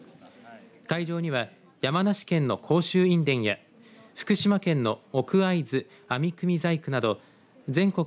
会場には山梨県の甲州印伝や福島県の奥会津編み組細工など全国